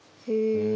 へえ。